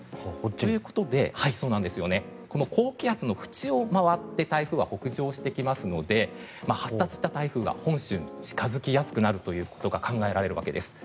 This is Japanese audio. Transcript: ということで高気圧の縁を回って台風が北上してきますので発達した台風が本州に近付きやすくなるということが考えられるわけです。